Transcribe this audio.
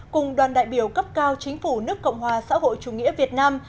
cùng đoàn đại biểu cấp cao chính phủ nước cộng hòa xã hội chủ nghĩa việt nam